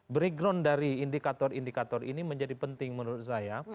breakground dari indikator indikator ini menjadi penting menurut saya